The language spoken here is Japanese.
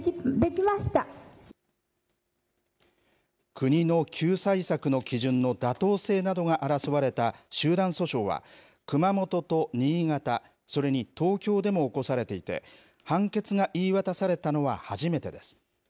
国の救済策の基準の妥当性などが争われた集団訴訟は、熊本と新潟、それに東京でも起こされていて、判決が言い渡されたのは初めてです。